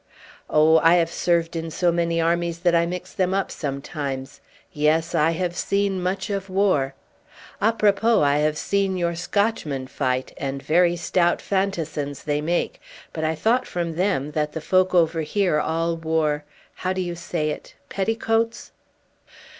"Oh, I have served in so many armies that I mix them up sometimes. Yes, I have seen much of war. Apropos I have seen your Scotchmen fight, and very stout fantassins they make, but I thought from them, that the folk over here all wore how do you say it? petticoats."